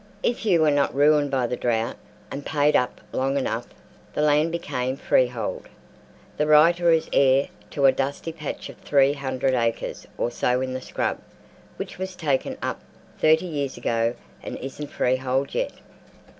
If you were not ruined by the drought, and paid up long enough, the land became freehold. The writer is heir to a dusty patch of three hundred acres or so in the scrub which was taken up thirty years ago and isn't freehold yet.